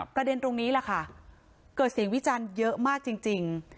ประเด็นตรงนี้แหละค่ะเกิดเสียงวิจารณ์เยอะมากจริง